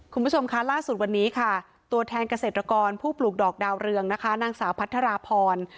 คุณผู้ชมค่ะล่าสุดวันนี้ค่ะตัวแทนเกษตรกรผู้ปลูกดอกดาวเรืองนะคะนางสาวพัทราพร